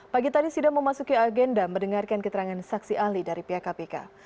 pagi tadi sidang memasuki agenda mendengarkan keterangan saksi ahli dari pihak kpk